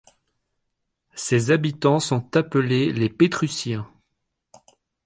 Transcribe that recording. Ses habitants sont appelés les Pétruciens.